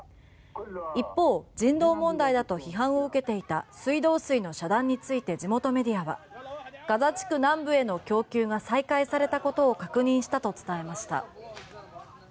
一方、人道問題だと批判を受けていた水道水の遮断について地元メディアはガザ地区南部への供給が再開されたことを確認したと伝えました。